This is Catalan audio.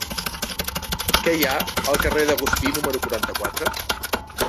Què hi ha al carrer de Guspí número quaranta-quatre?